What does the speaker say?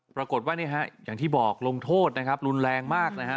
ปรากฏว่านี่ฮะอย่างที่บอกลงโทษนะครับรุนแรงมากนะฮะ